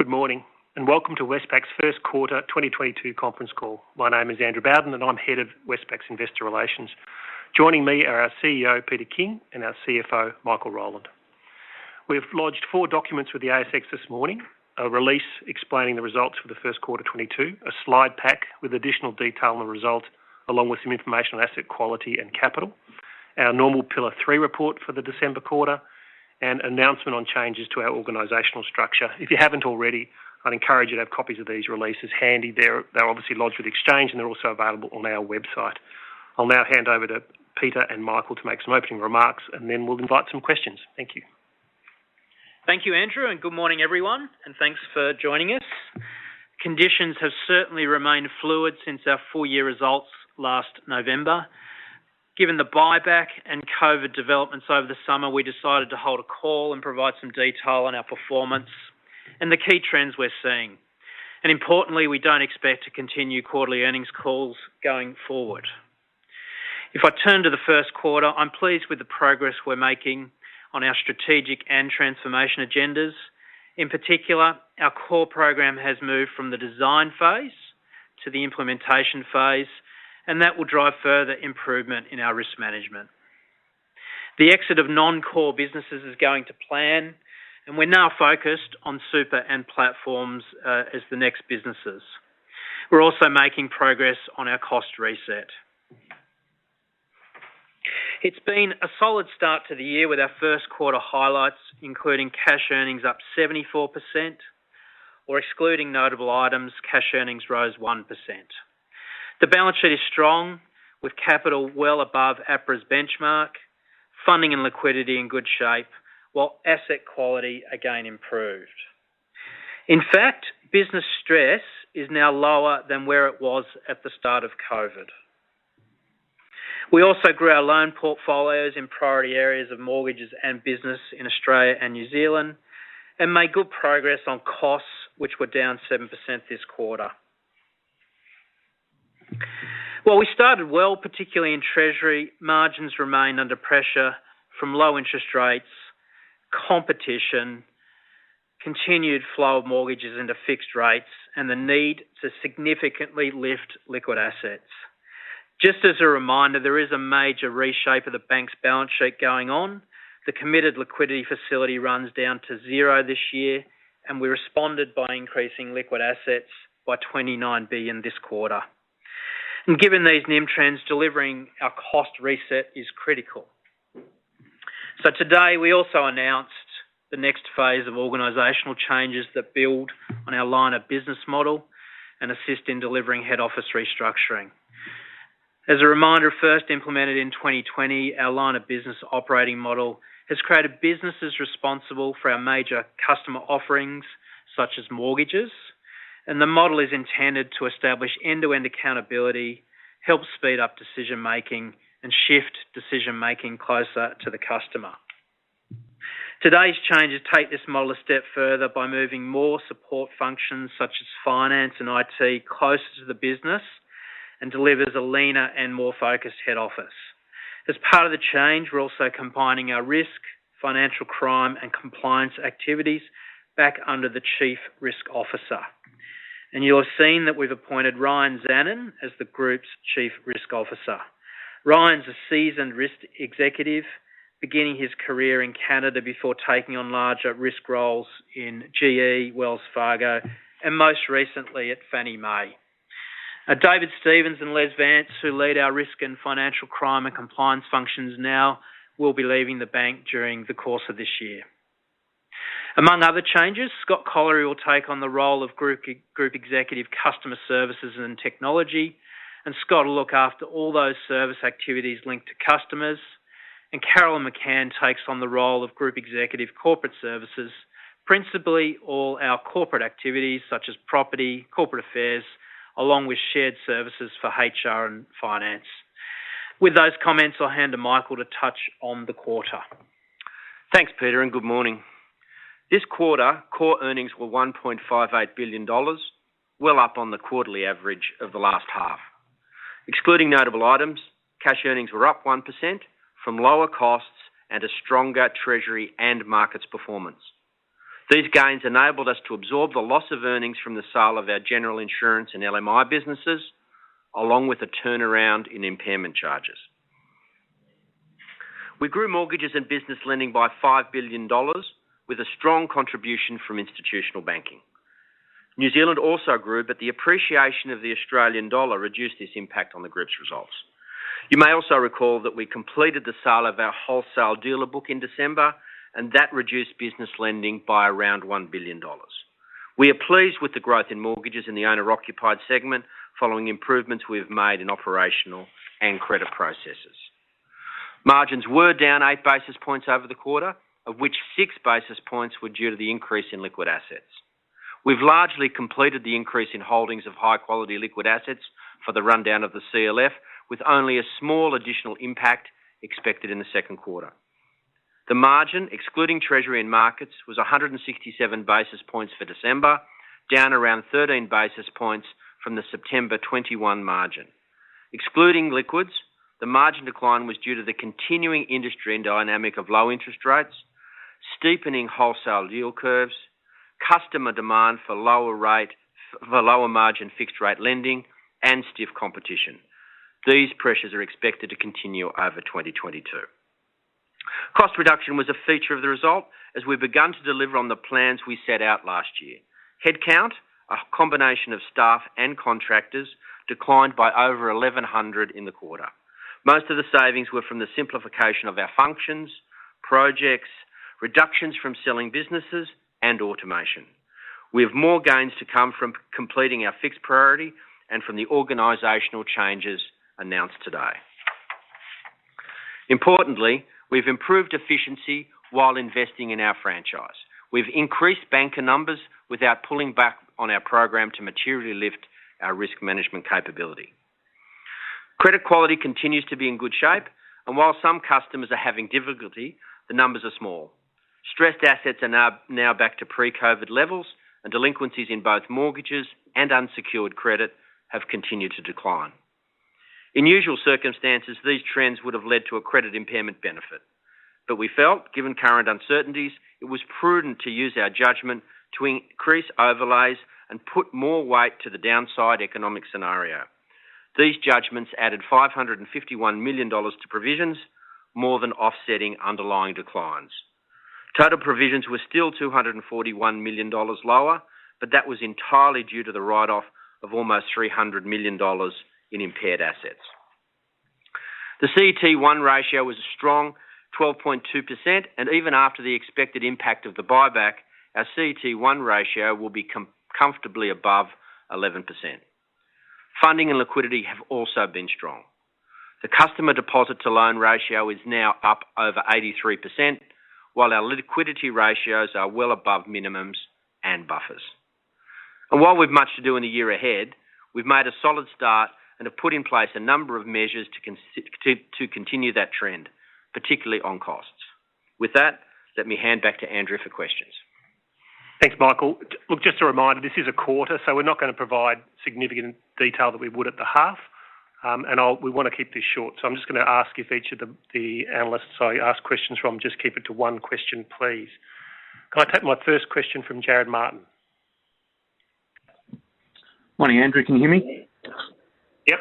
Good morning, and welcome to Westpac's first quarter 2022 conference call. My name is Andrew Bowden, and I'm Head of Westpac's Investor Relations. Joining me are our CEO, Peter King, and our CFO, Michael Rowland. We have lodged four documents with the ASX this morning. A release explaining the results for the first quarter 2022, a slide pack with additional detail on the result, along with some information on asset quality and capital, our normal Pillar 3 report for the December quarter, and an announcement on changes to our organizational structure. If you haven't already, I'd encourage you to have copies of these releases handy. They're obviously lodged with Exchange, and they're also available on our website. I'll now hand over to Peter and Michael to make some opening remarks, and then we'll invite some questions. Thank you. Thank you, Andrew, and good morning, everyone, and thanks for joining us. Conditions have certainly remained fluid since our full year results last November. Given the buyback and COVID developments over the summer, we decided to hold a call and provide some detail on our performance and the key trends we're seeing. Importantly, we don't expect to continue quarterly earnings calls going forward. If I turn to the first quarter, I'm pleased with the progress we're making on our strategic and transformation agendas. In particular, our core program has moved from the design phase to the implementation phase, and that will drive further improvement in our risk management. The exit of non-core businesses is going to plan, and we're now focused on super and platforms as the next businesses. We're also making progress on our cost reset. It's been a solid start to the year with our first quarter highlights, including cash earnings up 74% or excluding notable items, cash earnings rose 1%. The balance sheet is strong, with capital well above APRA's benchmark, funding and liquidity in good shape, while asset quality again improved. In fact, business stress is now lower than where it was at the start of COVID. We also grew our loan portfolios in priority areas of mortgages and business in Australia and New Zealand, and made good progress on costs, which were down 7% this quarter. While we started well, particularly in treasury, margins remained under pressure from low interest rates, competition, continued flow of mortgages into fixed rates, and the need to significantly lift liquid assets. Just as a reminder, there is a major reshape of the bank's balance sheet going on. The committed liquidity facility runs down to zero this year, and we responded by increasing liquid assets by 29 billion this quarter. Given these NIM trends, delivering our cost reset is critical. Today, we also announced the next phase of organizational changes that build on our line of business model and assist in delivering head office restructuring. As a reminder, first implemented in 2020, our line of business operating model has created businesses responsible for our major customer offerings, such as mortgages, and the model is intended to establish end-to-end accountability, help speed up decision-making, and shift decision-making closer to the customer. Today's changes take this model a step further by moving more support functions such as finance and IT closer to the business and delivers a leaner and more focused head office. As part of the change, we're also combining our risk, financial crime, and compliance activities back under the Chief Risk Officer. You're seeing that we've appointed Ryan Zanin as the group's Chief Risk Officer. Ryan's a seasoned risk executive, beginning his career in Canada before taking on larger risk roles in GE, Wells Fargo, and most recently at Fannie Mae. Now, David Stephen and Les Vance, who lead our risk and financial crime and compliance functions now, will be leaving the bank during the course of this year. Among other changes, Scott Collary will take on the role of Group Executive Customer Services and Technology, and Scott will look after all those service activities linked to customers. Carolyn McCann takes on the role of Group Executive Corporate Services, principally all our corporate activities such as property, corporate affairs, along with shared services for HR and finance. With those comments, I'll hand to Michael to touch on the quarter. Thanks, Peter, and good morning. This quarter, core earnings were 1.58 billion dollars, well up on the quarterly average of the last half. Excluding notable items, cash earnings were up 1% from lower costs and a stronger treasury and markets performance. These gains enabled us to absorb the loss of earnings from the sale of our general insurance and LMI businesses, along with a turnaround in impairment charges. We grew mortgages and business lending by 5 billion dollars with a strong contribution from institutional banking. New Zealand also grew, but the appreciation of the Australian dollar reduced this impact on the group's results. You may also recall that we completed the sale of our wholesale dealer book in December, and that reduced business lending by around 1 billion dollars. We are pleased with the growth in mortgages in the owner-occupied segment following improvements we have made in operational and credit processes. Margins were down 8 basis points over the quarter, of which 6 basis points were due to the increase in liquid assets. We've largely completed the increase in holdings of high-quality liquid assets for the rundown of the CLF, with only a small additional impact expected in the second quarter. The margin, excluding treasury and markets, was 167 basis points for December, down around 13 basis points from the September 2021 margin. Excluding liquids, the margin decline was due to the continuing industry and dynamic of low interest rates, steepening wholesale yield curves, customer demand for lower margin fixed rate lending, and stiff competition. These pressures are expected to continue over 2022. Cost reduction was a feature of the result as we began to deliver on the plans we set out last year. Headcount, a combination of staff and contractors, declined by over 1,100 in the quarter. Most of the savings were from the simplification of our functions, projects, reductions from selling businesses, and automation. We have more gains to come from completing our fixed priority and from the organizational changes announced today. Importantly, we've improved efficiency while investing in our franchise. We've increased banker numbers without pulling back on our program to materially lift our risk management capability. Credit quality continues to be in good shape, and while some customers are having difficulty, the numbers are small. Stressed assets are now back to pre-COVID levels, and delinquencies in both mortgages and unsecured credit have continued to decline. In usual circumstances, these trends would have led to a credit impairment benefit. We felt, given current uncertainties, it was prudent to use our judgment to increase overlays and put more weight to the downside economic scenario. These judgments added 551 million dollars to provisions, more than offsetting underlying declines. Total provisions were still 241 million dollars lower, but that was entirely due to the write-off of almost 300 million dollars in impaired assets. The CET1 ratio was a strong 12.2%, and even after the expected impact of the buyback, our CET1 ratio will be comfortably above 11%. Funding and liquidity have also been strong. The customer deposit to loan ratio is now up over 83%, while our liquidity ratios are well above minimums and buffers. While we've much to do in the year ahead, we've made a solid start and have put in place a number of measures to continue that trend, particularly on costs. With that, let me hand back to Andrew for questions. Thanks, Michael. Look, just a reminder, this is a quarter, so we're not gonna provide significant detail that we would at the half. We wanna keep this short. I'm just gonna ask if each of the analysts I ask questions from, just keep it to one question, please. Can I take my first question from Jarrod Martin? Morning, Andrew. Can you hear me? Yep.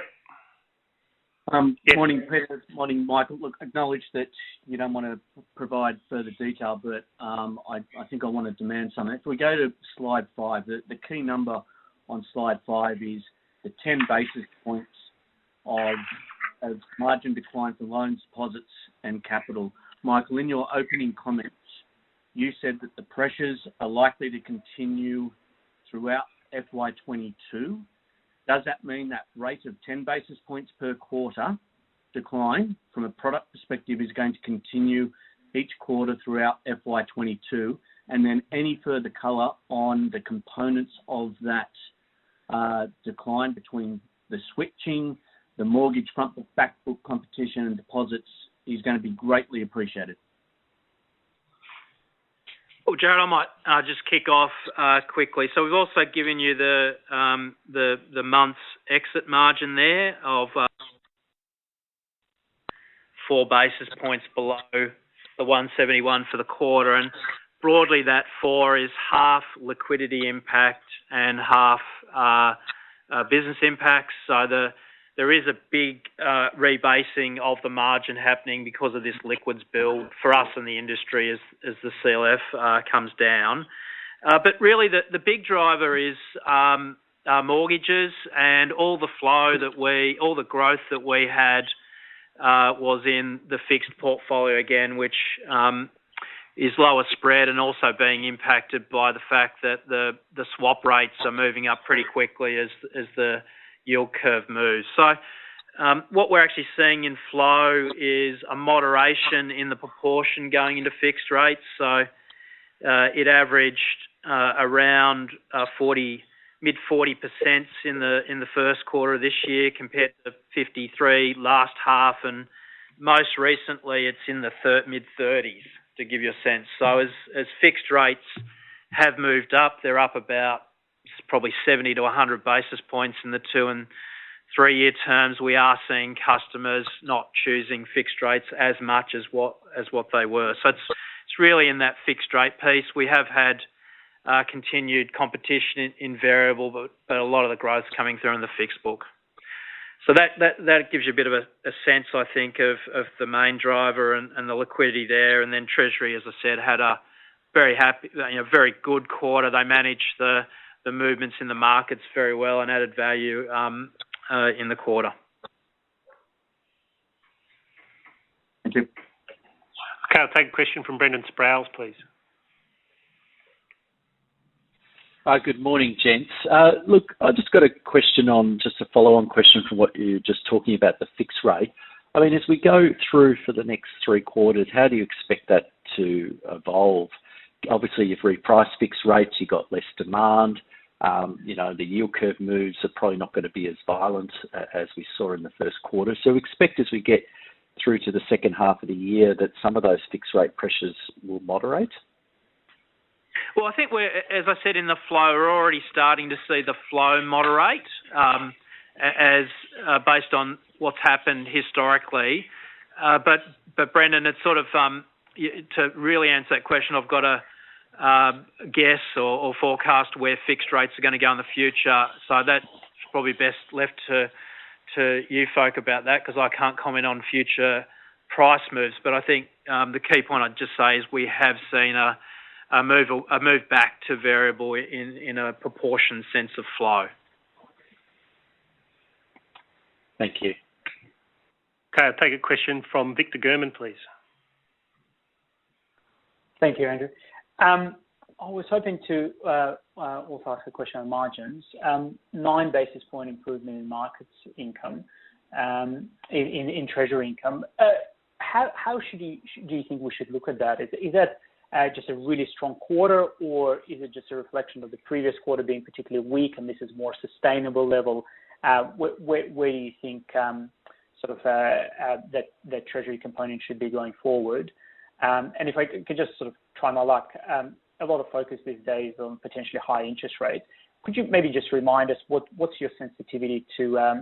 Morning, Peter. Morning, Michael. Look, acknowledge that you don't wanna provide further detail, but I think I wanna demand some. If we go to slide five, the key number on slide five is the 10 basis points of margin decline for loans, deposits, and capital. Michael, in your opening comments, you said that the pressures are likely to continue throughout FY 2022. Does that mean that rate of 10 basis points per quarter decline from a product perspective is going to continue each quarter throughout FY 2022? Then any further color on the components of that decline between the switching, the mortgage front, the back book competition and deposits is gonna be greatly appreciated. Well, Jarrod, I might just kick off quickly. We've also given you the month's exit margin there of 4 basis points below the 171 for the quarter. Broadly, that four is half liquidity impact and half business impact. There is a big rebasing of the margin happening because of this liquidity build for us and the industry as the CLF comes down. Really the big driver is mortgages and all the growth that we had was in the fixed portfolio again, which is lower spread and also being impacted by the fact that the swap rates are moving up pretty quickly as the yield curve moves. What we're actually seeing in flow is a moderation in the proportion going into fixed rates. It averaged around mid 40% in the first quarter of this year compared to 53% last half. Most recently, it's in the mid 30s, to give you a sense. As fixed rates have moved up, they're up about probably 70-100 basis points in the two- and three-year terms. We are seeing customers not choosing fixed rates as much as what they were. It's really in that fixed rate piece. We have had continued competition in variable, but a lot of the growth coming through in the fixed book. That gives you a bit of a sense, I think, of the main driver and the liquidity there. Then treasury, as I said, had a very happy, you know, very good quarter. They managed the movements in the markets very well and added value in the quarter. Thank you. Can I take a question from Brendan Sproules, please? Good morning, gents. Look, I just got a question on, just a follow-on question from what you're just talking about, the fixed rate. I mean, as we go through for the next three quarters, how do you expect that to evolve? Obviously, you've repriced fixed rates, you've got less demand. You know, the yield curve moves are probably not gonna be as violent as we saw in the first quarter. Expect as we get through to the second half of the year that some of those fixed rate pressures will moderate? Well, I think, as I said, in the flow, we're already starting to see the flow moderate, based on what's happened historically. Brendan, it's sort of up to you to really answer that question. I've gotta guess or forecast where fixed rates are gonna go in the future. That's probably best left to you folk about that because I can't comment on future price moves. I think the key point I'd just say is we have seen a move back to variable in a proportion sense of flow. Thank you. Okay, take a question from Victor German, please. Thank you, Andrew. I was hoping to also ask a question on margins. 9 basis point improvement in markets income in treasury income. How do you think we should look at that? Is that just a really strong quarter, or is it just a reflection of the previous quarter being particularly weak and this is more sustainable level? Where do you think sort of that treasury component should be going forward? If I could just sort of try my luck, a lot of focus these days on potentially high interest rates. Could you maybe just remind us what's your sensitivity to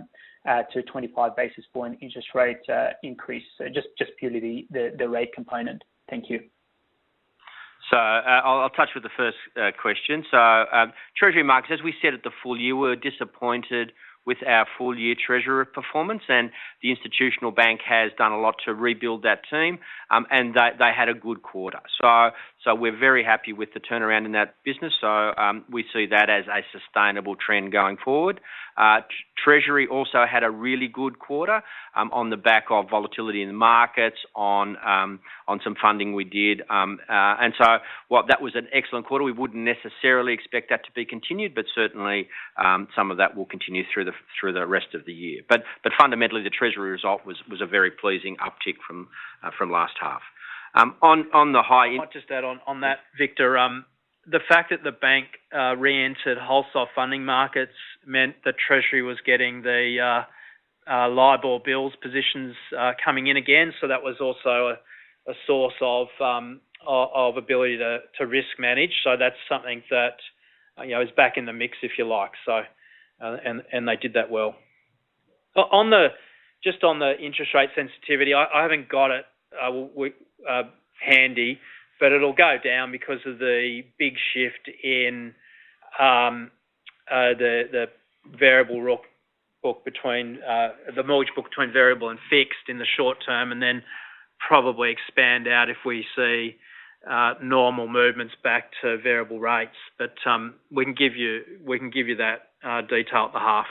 25 basis point interest rate increase? Just purely the rate component. Thank you. I'll touch on the first question. Treasury markets, as we said at the full year, we're disappointed with our full-year treasury performance, and the Institutional Bank has done a lot to rebuild that team, and they had a good quarter. We're very happy with the turnaround in that business. We see that as a sustainable trend going forward. Treasury also had a really good quarter on the back of volatility in the markets on some funding we did. While that was an excellent quarter, we wouldn't necessarily expect that to be continued, but certainly some of that will continue through the rest of the year. Fundamentally, the treasury result was a very pleasing uptick from last half. I'll just add on that, Victor. The fact that the bank reentered wholesale funding markets meant the treasury was getting the liability bills positions coming in again. That was also a source of ability to risk manage. That's something that you know is back in the mix, if you like. They did that well. Just on the interest rate sensitivity, I haven't got it handy, but it'll go down because of the big shift in the variable rate book, the mortgage book between variable and fixed in the short term, and then probably expand out if we see normal movements back to variable rates. We can give you that detail at the half.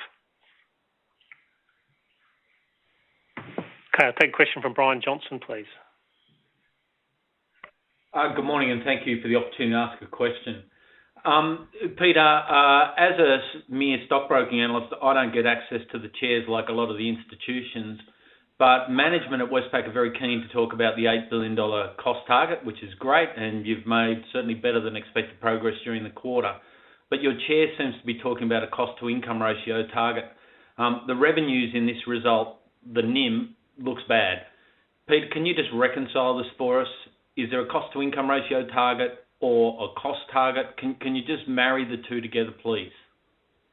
Okay, I'll take a question from Brian Johnson, please. Good morning, and thank you for the opportunity to ask a question. Peter, as a mere stockbroking analyst, I don't get access to the chairs like a lot of the institutions, but management at Westpac are very keen to talk about the 8 billion dollar cost target, which is great, and you've made certainly better than expected progress during the quarter. Your chair seems to be talking about a cost-to-income ratio target. The revenues in this result, the NIM, looks bad. Pete, can you just reconcile this for us? Is there a cost-to-income ratio target or a cost target? Can you just marry the two together, please?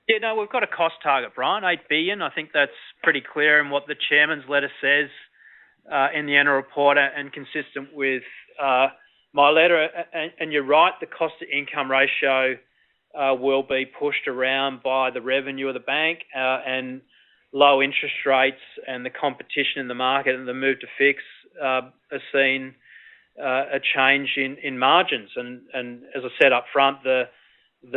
Yeah, no, we've got a cost target, Brian. 8 billion. I think that's pretty clear in what the chairman's letter says, in the annual report and consistent with my letter. You're right, the cost-to-income ratio will be pushed around by the revenue of the bank, and low interest rates and the competition in the market and the move to fixed has seen a change in margins. As I said up front, we've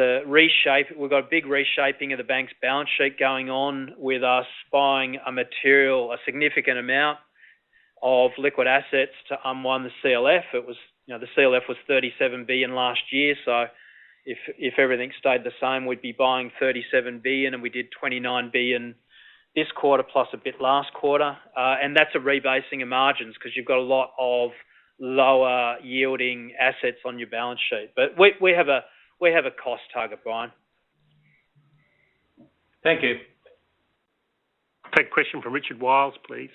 got a big reshaping of the bank's balance sheet going on with us buying a significant amount of liquid assets to unwind the CLF. You know, the CLF was 37 billion last year. If everything stayed the same, we'd be buying 37 billion, and we did 29 billion this quarter, plus a bit last quarter. That's a rebasing of margins 'cause you've got a lot of lower yielding assets on your balance sheet. We have a cost target, Brian. Thank you. Take a question from Richard Wiles, please.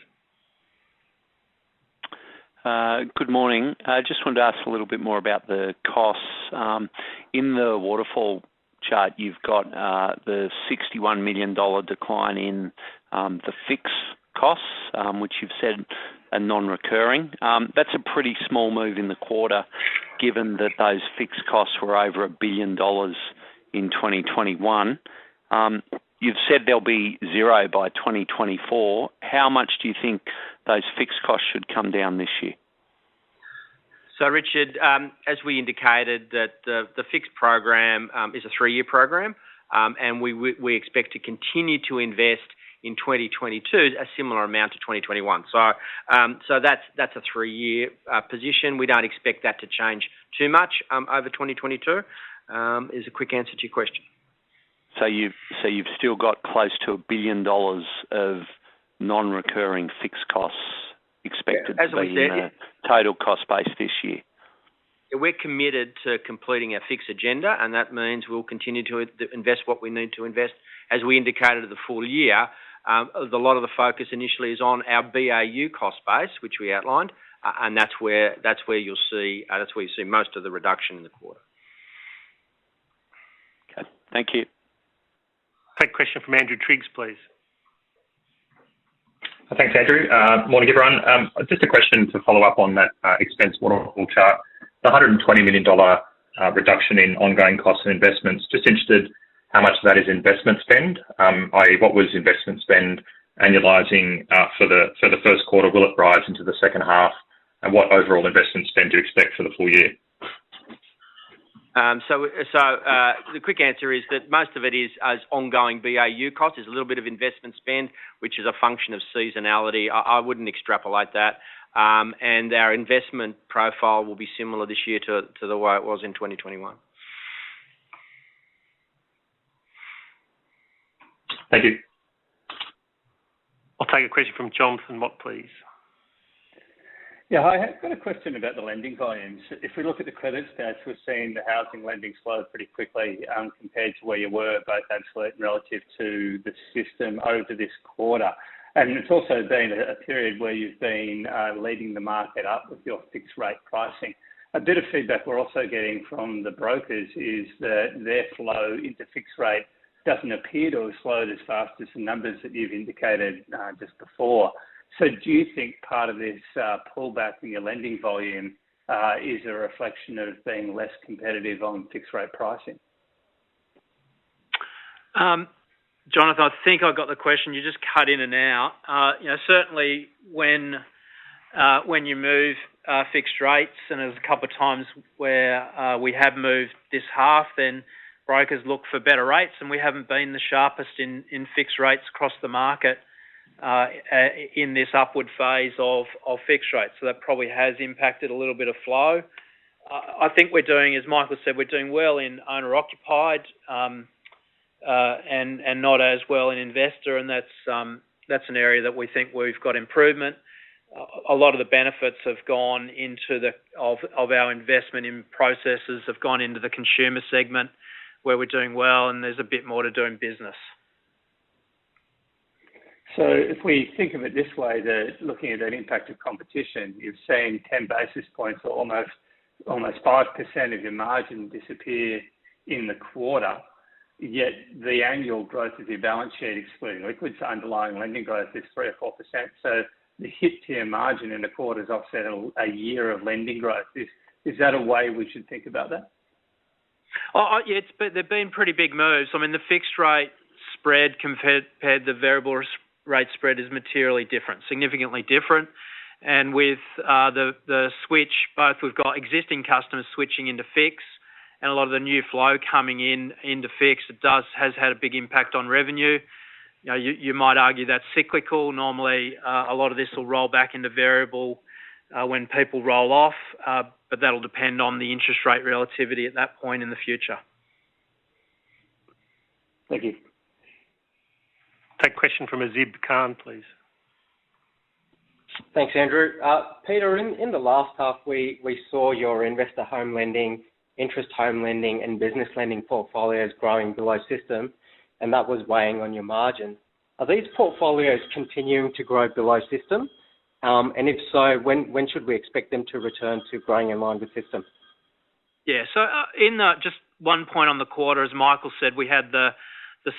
Good morning. I just wanted to ask a little bit more about the costs. In the waterfall chart, you've got the 61 million dollar decline in the fixed costs, which you've said are non-recurring. That's a pretty small move in the quarter, given that those fixed costs were over 1 billion dollars in 2021. You've said they'll be zero by 2024. How much do you think those fixed costs should come down this year? Richard, as we indicated that the fixed program is a three-year program, and we expect to continue to invest in 2022 a similar amount to 2021. That's a three-year position. We don't expect that to change too much over 2022 is a quick answer to your question. You've still got close to 1 billion dollars of non-recurring fixed costs expected. As I said. To be in the total cost base this year. We're committed to completing our fixed agenda, and that means we'll continue to reinvest what we need to invest. As we indicated at the full year, a lot of the focus initially is on our BAU cost base, which we outlined, and that's where you'll see most of the reduction in the quarter. Okay, thank you. Take question from Andrew Triggs, please. Thanks, Andrew. Morning, everyone. Just a question to follow up on that expense waterfall chart. The AUD 120 million reduction in ongoing costs and investments, just interested how much of that is investment spend. i.e., what was investment spend annualizing for the first quarter? Will it rise into the second half? What overall investment spend to expect for the full year? The quick answer is that most of it is ongoing BAU cost. There's a little bit of investment spend, which is a function of seasonality. I wouldn't extrapolate that. Our investment profile will be similar this year to the way it was in 2021. Thank you. I'll take a question from Jonathan Mott, please. Yeah. Hi, I've got a question about the lending volumes. If we look at the credit stats, we're seeing the housing lending slow pretty quickly compared to where you were, both absolute and relative to the system over this quarter. It's also been a period where you've been leading the market up with your fixed rate pricing. A bit of feedback we're also getting from the brokers is that their flow into fixed rate doesn't appear to have slowed as fast as the numbers that you've indicated just before. Do you think part of this pullback in your lending volume is a reflection of being less competitive on fixed rate pricing? Jonathan, I think I've got the question. You just cut in and out. You know, certainly when you move fixed rates, and there's a couple of times where we have moved this half, then brokers look for better rates, and we haven't been the sharpest in fixed rates across the market in this upward phase of fixed rates. So that probably has impacted a little bit of flow. I think we're doing, as Michael said, we're doing well in owner-occupied and not as well in investor. That's an area that we think we've got improvement. A lot of the benefits of our investment in processes have gone into the consumer segment, where we're doing well, and there's a bit more to do in business. If we think of it this way, then looking at an impact of competition, you've seen 10 basis points or almost 5% of your margin disappear in the quarter. Yet the annual growth of your balance sheet, excluding liquids, underlying lending growth is 3% or 4%. The hit to your margin in the quarter is offset a year of lending growth. Is that a way we should think about that? Yeah, they've been pretty big moves. I mean, the fixed rate spread compared to the variable rate spread is materially different, significantly different. With the switch, we've got both existing customers switching into fixed and a lot of the new flow coming in into fixed, it has had a big impact on revenue. You know, you might argue that's cyclical. Normally, a lot of this will roll back into variable when people roll off, but that'll depend on the interest rate relativity at that point in the future. Thank you. Take question from Azib Khan, please. Thanks, Andrew. Peter, in the last half, we saw your investor home lending, interest-only home lending, and business lending portfolios growing below system, and that was weighing on your margin. Are these portfolios continuing to grow below system? If so, when should we expect them to return to growing in line with system? Just one point on the quarter, as Michael said, we had the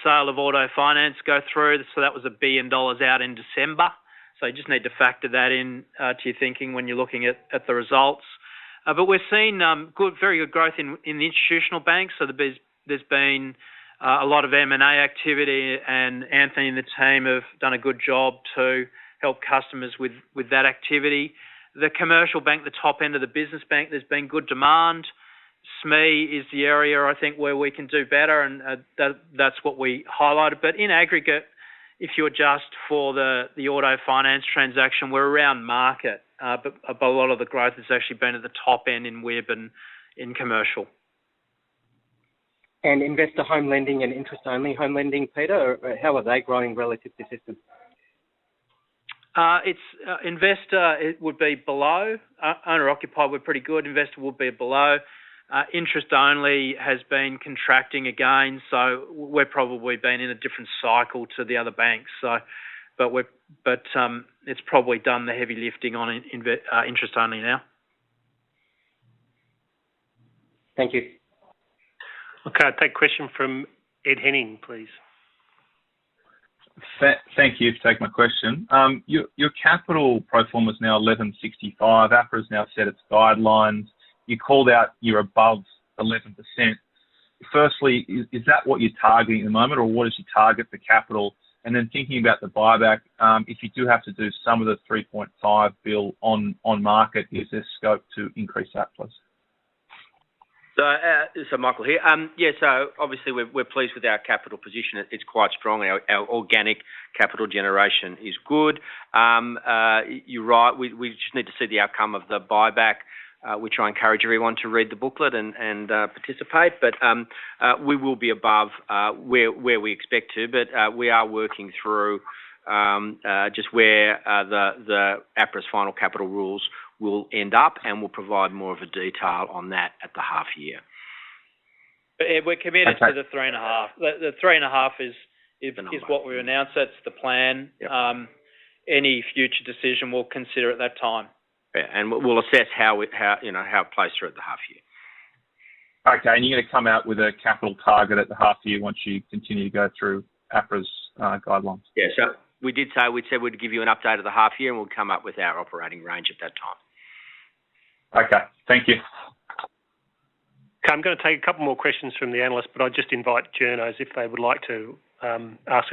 sale of auto finance go through. That was 1 billion dollars out in December. You just need to factor that in to your thinking when you're looking at the results. We're seeing very good growth in the institutional bank. There's been a lot of M&A activity, and Anthony and the team have done a good job to help customers with that activity. The commercial bank, the top end of the business bank, there's been good demand. SME is the area I think where we can do better, and that's what we highlighted. In aggregate, if you adjust for the auto finance transaction, we're around market. A lot of the growth has actually been at the top end in WIB and in commercial. Investor home lending and interest-only home lending, Peter, how are they growing relative to system? It's investor, it would be below. Owner-occupied, we're pretty good. Investor would be below. Interest-only has been contracting again. We're probably been in a different cycle to the other banks. It's probably done the heavy lifting on interest-only now. Thank you. Okay, take question from Ed Henning, please. Thank you for taking my question. Your capital pro forma is now 11.65. APRA's now set its guidelines. You called out you're above 11%. First, is that what you're targeting at the moment, or what is your target for capital? Thinking about the buyback, if you do have to do some of the 3.5 billion on market, is there scope to increase that, please? Michael here. Yeah, obviously we're pleased with our capital position. It's quite strong. Our organic capital generation is good. You're right. We just need to see the outcome of the buyback, which I encourage everyone to read the booklet and participate. We will be above where we expect to. We are working through just where the APRA's final capital rules will end up, and we'll provide more detail on that at the half year. Ed, we're committed to the 3.5. The 3.5 is what we announced. That's the plan. Any future decision we'll consider at that time. Yeah, we'll assess how it plays through at the half year, you know. Okay. You're gonna come out with a capital target at the half year once you continue to go through APRA's guidelines? Yeah. We did say, we said we'd give you an update at the half year, and we'll come up with our operating range at that time. Okay. Thank you. Okay. I'm gonna take a couple more questions from the analyst, but I'd just invite journos if they would like to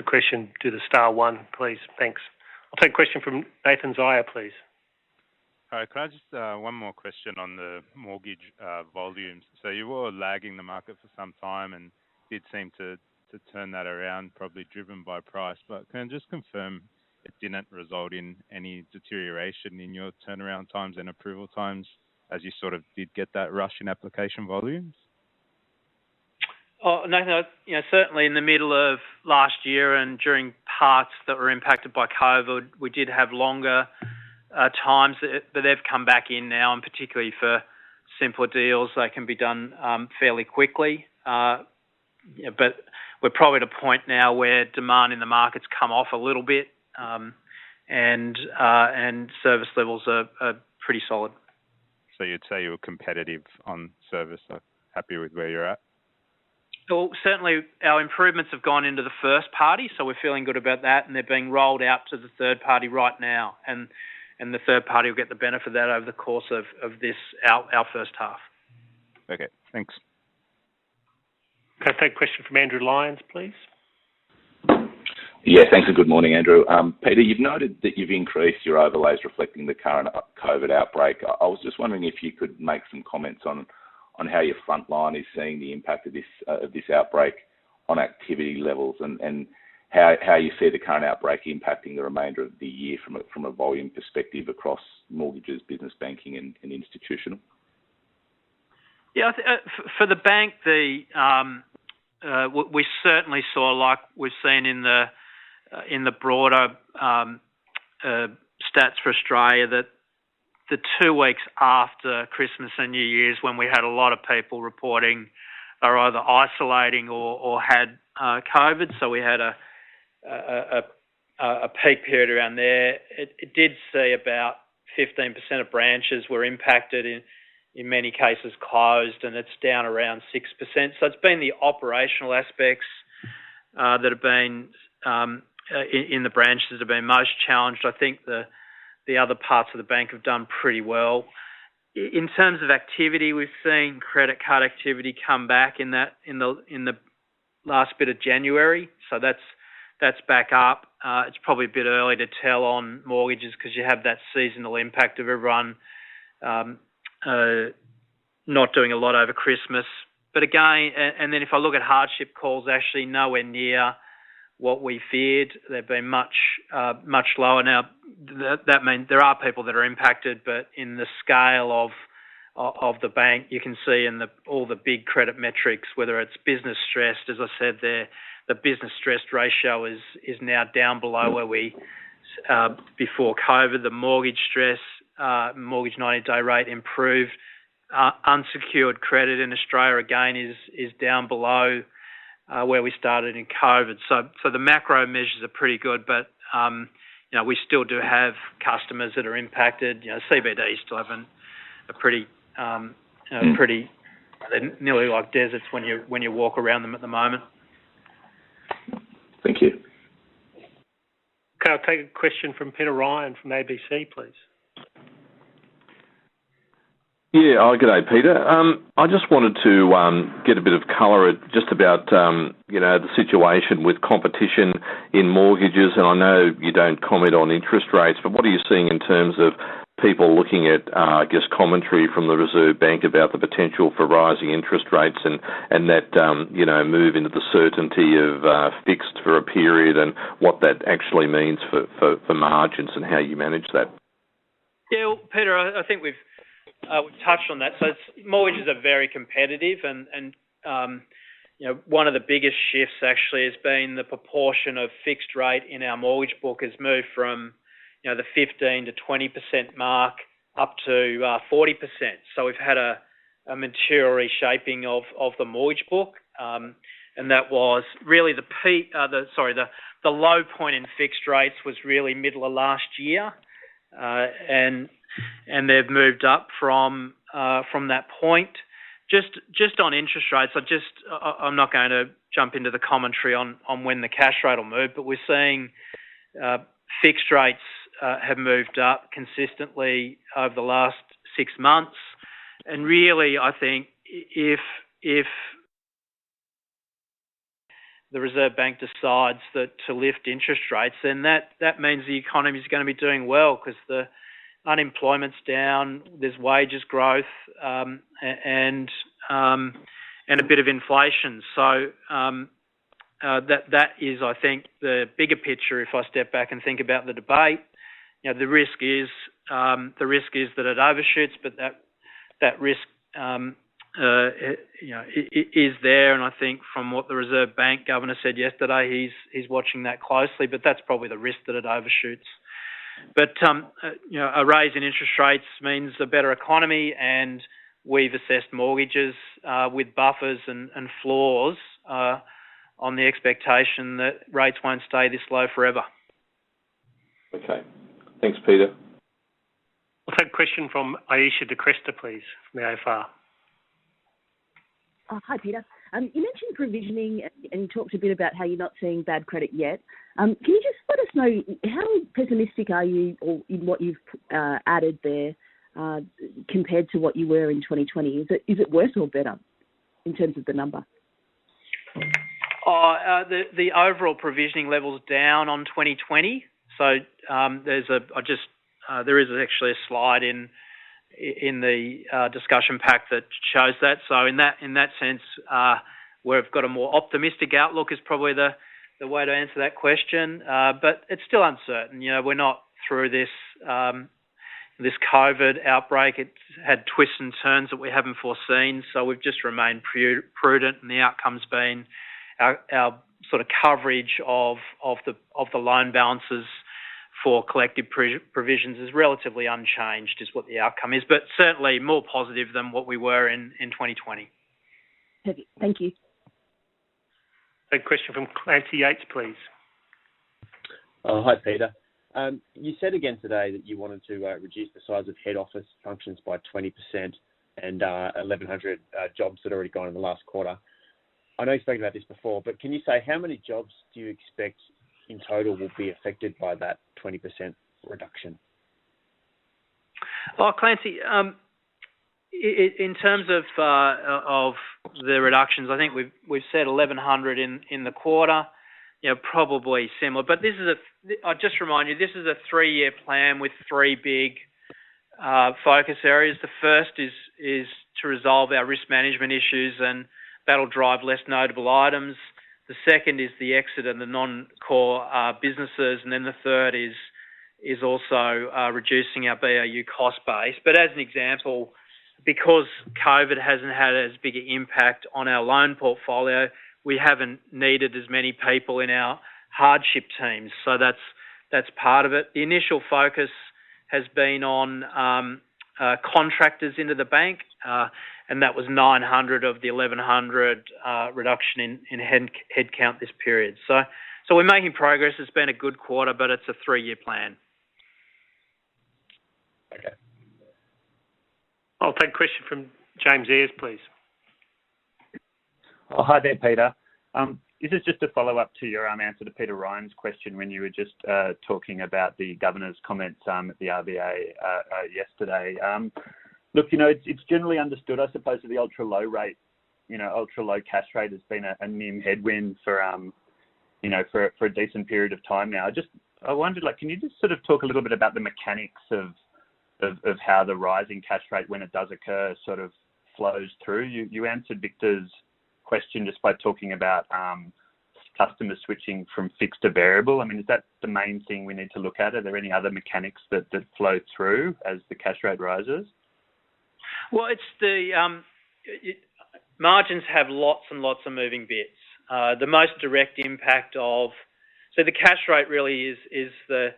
press star one, please. Thanks. I'll take a question from Nathan Zaia, please. Hi. Can I just one more question on the mortgage volumes? You were lagging the market for some time and did seem to turn that around, probably driven by price. Can you just confirm it didn't result in any deterioration in your turnaround times and approval times as you sort of did get that rush in application volumes? Oh, Nathan, you know, certainly in the middle of last year and during parts that were impacted by COVID, we did have longer times. They've come back in now, and particularly for simpler deals, they can be done fairly quickly. We're probably at a point now where demand in the market's come off a little bit, and service levels are pretty solid. You'd say you were competitive on service, so happy with where you're at? Well, certainly our improvements have gone into the first party, so we're feeling good about that, and they're being rolled out to the third party right now. The third party will get the benefit of that over the course of this, our first half. Okay. Thanks. Can I take a question from Andrew Lyons, please? Yeah. Thanks and good morning, Andrew. Peter, you've noted that you've increased your overlays reflecting the current Omicron COVID outbreak. I was just wondering if you could make some comments on how your front line is seeing the impact of this of this outbreak on activity levels and how you see the current outbreak impacting the remainder of the year from a volume perspective across mortgages, business banking, and institutional. Yeah. I think, for the bank, what we certainly saw, like we've seen in the broader stats for Australia, that the two weeks after Christmas and New Year's when we had a lot of people reporting or are either isolating or had COVID. We had a peak period around there. It did see about 15% of branches were impacted, in many cases closed, and it's down around 6%. It's been the operational aspects that have been in the branches that have been most challenged. I think the other parts of the bank have done pretty well. In terms of activity, we've seen credit card activity come back in the last bit of January. That's back up. It's probably a bit early to tell on mortgages 'cause you have that seasonal impact of everyone not doing a lot over Christmas. Again, then if I look at hardship calls, actually nowhere near what we feared. They've been much lower. Now, that means there are people that are impacted, but in the scale of the bank, you can see in all the big credit metrics, whether it's business stressed, as I said there, the business stressed ratio is now down below where we were before COVID. The mortgage stress mortgage 90-day rate improved. Unsecured credit in Australia again is down below where we started in COVID. The macro measures are pretty good, but you know, we still do have customers that are impacted. You know, CBDs still having a pretty nearly like deserts when you walk around them at the moment. Thank you. Can I take a question from Peter Ryan from ABC, please? Yeah. Oh, good day, Peter. I just wanted to get a bit of color at just about you know the situation with competition in mortgages. I know you don't comment on interest rates, but what are you seeing in terms of people looking at I guess commentary from the Reserve Bank about the potential for rising interest rates and that you know move into the certainty of fixed for a period and what that actually means for margins and how you manage that? Peter, I think we've touched on that. Mortgages are very competitive and you know one of the biggest shifts actually has been the proportion of fixed rate in our mortgage book has moved from you know the 15%-20% mark up to 40%. We've had a mature reshaping of the mortgage book. The low point in fixed rates was really middle of last year and they've moved up from that point. Just on interest rates, I just I'm not going to jump into the commentary on when the cash rate will move, but we're seeing fixed rates have moved up consistently over the last six months. Really, I think if the Reserve Bank decides that to lift interest rates, then that means the economy is gonna be doing well because the unemployment's down, there's wages growth, and a bit of inflation. That is I think the bigger picture if I step back and think about the debate. You know, the risk is that it overshoots, but that risk, you know, is there. I think from what the Reserve Bank governor said yesterday, he's watching that closely, but that's probably the risk that it overshoots. You know, a rise in interest rates means a better economy, and we've assessed mortgages with buffers and floors on the expectation that rates won't stay this low forever. Okay. Thanks, Peter. I'll take a question from Ayesha de Kretser, please, from the AFR. Oh, hi, Peter. You mentioned provisioning and talked a bit about how you're not seeing bad credit yet. Can you just let us know how pessimistic are you or in what you've added there compared to what you were in 2020? Is it worse or better in terms of the number? The overall provisioning level is down on 2020. There is actually a slide in the discussion pack that shows that. In that sense, we've got a more optimistic outlook is probably the way to answer that question. It's still uncertain. You know, we're not through this COVID outbreak. It's had twists and turns that we haven't foreseen. We've just remained prudent, and the outcome's been our sort of coverage of the loan balances for collective provisions is relatively unchanged, is what the outcome is. Certainly more positive than what we were in 2020. Thank you. A question from Clancy Yeates, please. Oh, hi, Peter. You said again today that you wanted to reduce the size of head office functions by 20% and 1100 jobs had already gone in the last quarter. I know you've spoken about this before, but can you say how many jobs do you expect in total will be affected by that 20% reduction? Well, Clancy, in terms of the reductions, I think we've said 1,100 in the quarter. You know, probably similar. I'll just remind you, this is a three-year plan with three big focus areas. The first is to resolve our risk management issues, and that'll drive less notable items. The second is the exit of the non-core businesses. The third is also reducing our BAU cost base. As an example, because COVID hasn't had as big an impact on our loan portfolio, we haven't needed as many people in our hardship teams. That's part of it. The initial focus has been on contractors into the bank, and that was 900 of the 1,100 reduction in headcount this period. We're making progress. It's been a good quarter, but it's a three-year plan. Okay. I'll take a question from James Eyers, please. Oh, hi there, Peter. This is just a follow-up to your answer to Peter Ryan's question when you were just talking about the governor's comments at the RBA yesterday. Look, you know, it's generally understood, I suppose, that the ultra-low rate, you know, ultra-low cash rate has been a headwind for a decent period of time now. Just I wondered, like, can you just sort of talk a little bit about the mechanics of how the rise in cash rate when it does occur sort of flows through? You answered Victor's question just by talking about customers switching from fixed to variable. I mean, is that the main thing we need to look at? Are there any other mechanics that flow through as the cash rate rises? Margins have lots and lots of moving bits. The most direct impact of the cash rate really is the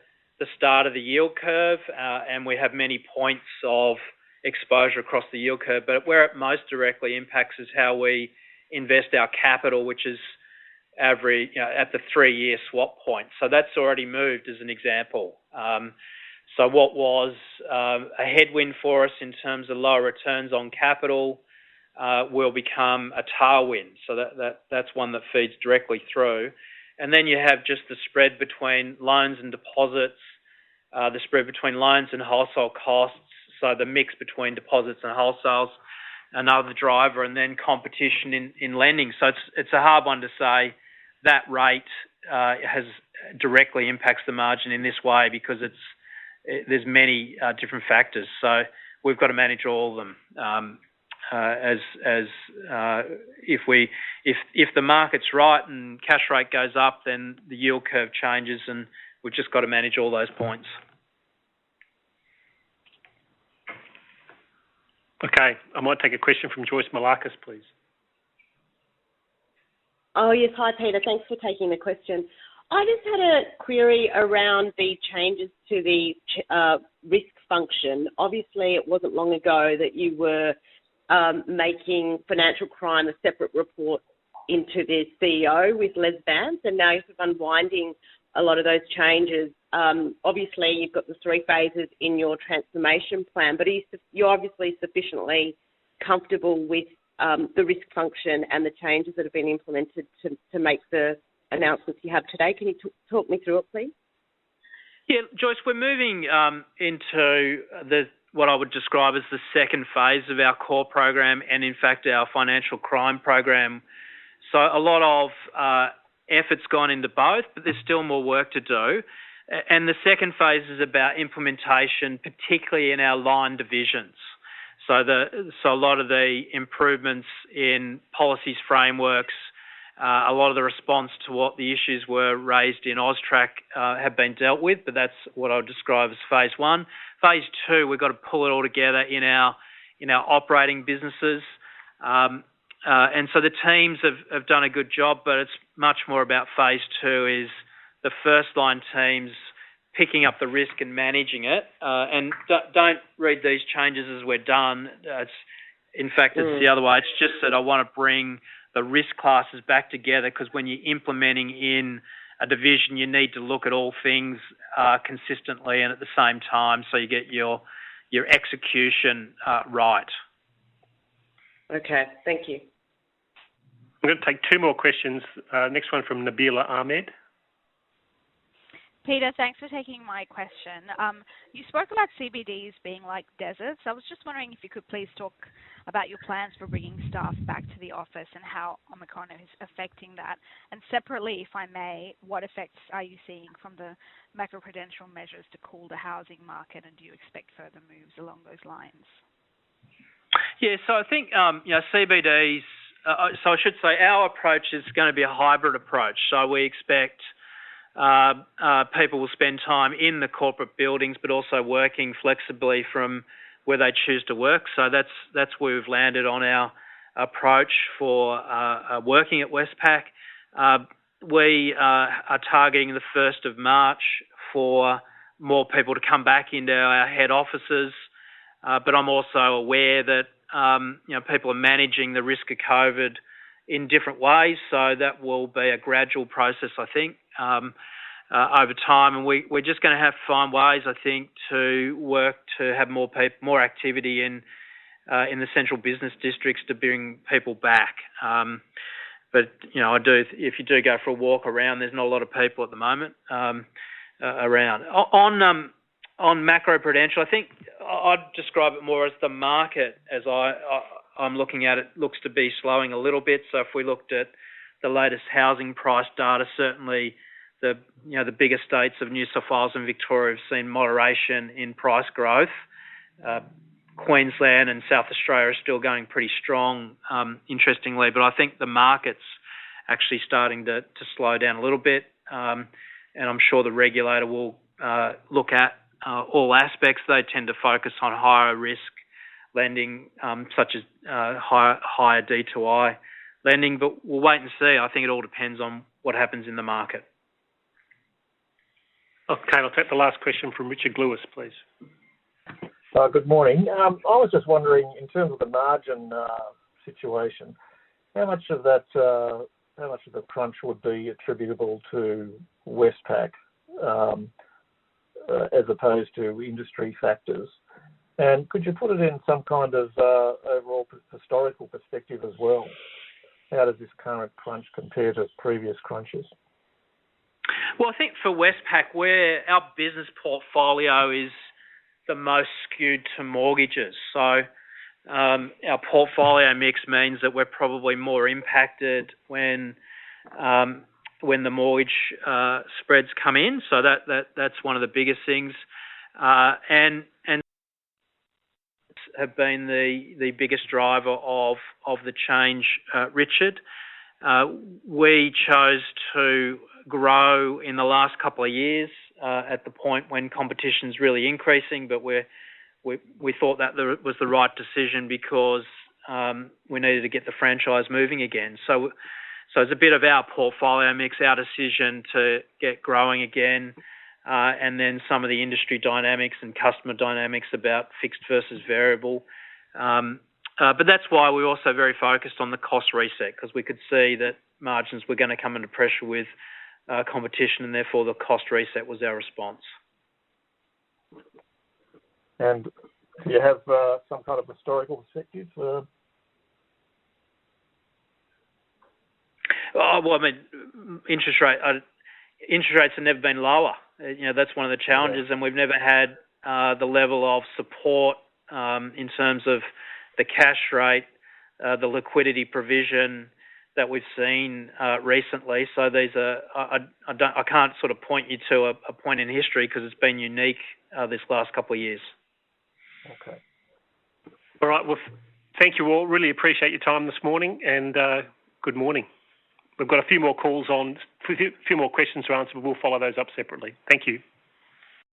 start of the yield curve, and we have many points of exposure across the yield curve, but where it most directly impacts is how we invest our capital, which is every, you know, at the three-year swap point. That's already moved as an example. What was a headwind for us in terms of lower returns on capital will become a tailwind. That's one that feeds directly through. Then you have just the spread between loans and deposits, the spread between loans and wholesale costs. The mix between deposits and wholesales, another driver, and then competition in lending. It's a hard one to say that the rate has a direct impact on the margin in this way because there are many different factors. We've got to manage all of them as if the market's right and cash rate goes up, then the yield curve changes, and we've just got to manage all those points. Okay. I might take a question from Joyce Moullakis, please. Oh, yes. Hi, Peter. Thanks for taking the question. I just had a query around the changes to the risk function. Obviously, it wasn't long ago that you were making financial crime a separate report into the CEO with Les Vance, and now you're sort of unwinding a lot of those changes. Obviously, you've got the three phases in your transformation plan, but you're obviously sufficiently comfortable with the risk function and the changes that have been implemented to make the announcements you have today. Can you talk me through it, please? Yeah. Joyce, we're moving into what I would describe as the second phase of our core program and in fact our financial crime program. A lot of effort's gone into both, but there's still more work to do. The second phase is about implementation, particularly in our line divisions. A lot of the improvements in policies, frameworks, a lot of the response to what the issues were raised in AUSTRAC, have been dealt with, but that's what I would describe as phase one. Phase two, we've got to pull it all together in our operating businesses. The teams have done a good job, but it's much more about phase two. The first-line team's picking up the risk and managing it. Don't read these changes as we're done. In fact, it's the other way. It's just that I wanna bring the risk classes back together, 'cause when you're implementing in a division, you need to look at all things consistently and at the same time, so you get your execution right. Okay, thank you. We're gonna take two more questions. Next one from Nabila Ahmed. Peter, thanks for taking my question. You spoke about CBDs being like deserts. I was just wondering if you could please talk about your plans for bringing staff back to the office and how Omicron is affecting that. Separately, if I may, what effects are you seeing from the macroprudential measures to cool the housing market, and do you expect further moves along those lines? I think, you know, CBDs. I should say, our approach is gonna be a hybrid approach. We expect people will spend time in the corporate buildings but also working flexibly from where they choose to work. That's where we've landed on our approach for working at Westpac. We are targeting the first of March for more people to come back into our head offices. I'm also aware that, you know, people are managing the risk of COVID in different ways, so that will be a gradual process, I think, over time. We're just gonna have to find ways, I think, to work to have more activity in the central business districts to bring people back. You know, if you do go for a walk around, there's not a lot of people at the moment around. On macroprudential, I think I'd describe it more as the market as I'm looking at it looks to be slowing a little bit. If we looked at the latest housing price data, certainly the you know, the bigger states of New South Wales and Victoria have seen moderation in price growth. Queensland and South Australia are still going pretty strong, interestingly. I think the market's actually starting to slow down a little bit. I'm sure the regulator will look at all aspects. They tend to focus on higher risk lending such as higher DTI lending. We'll wait and see. I think it all depends on what happens in the market. Okay, I'll take the last question from Richard Wiles, please. Good morning. I was just wondering, in terms of the margin situation, how much of the crunch would be attributable to Westpac, as opposed to industry factors? Could you put it in some kind of overall historical perspective as well? How does this current crunch compare to previous crunches? Well, I think for Westpac, our business portfolio is the most skewed to mortgages. Our portfolio mix means that we're probably more impacted when the mortgage spreads come in. That's one of the biggest things. Have been the biggest driver of the change, Richard. We chose to grow in the last couple of years at the point when competition's really increasing. We thought that was the right decision because we needed to get the franchise moving again. It's a bit of our portfolio mix, our decision to get growing again, and then some of the industry dynamics and customer dynamics about fixed versus variable. That's why we're also very focused on the cost reset, because we could see that margins were gonna come under pressure with competition, and therefore, the cost reset was our response. Do you have some kind of historical perspective for? Well, I mean, interest rates have never been lower. You know, that's one of the challenges. We've never had the level of support in terms of the cash rate, the liquidity provision that we've seen recently. I can't sort of point you to a point in history because it's been unique this last couple of years. Okay. All right. Well, thank you all. Really appreciate your time this morning, and good morning. We've got a few more questions to answer. We'll follow those up separately. Thank you.